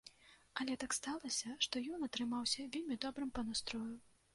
Але так сталася, што ён атрымаўся вельмі добрым па настроі.